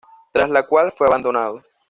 Tras la cual fue abandonado.